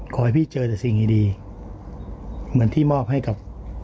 ขอให้พี่เจอแต่สิ่งดีเหมือนที่มอบให้กับ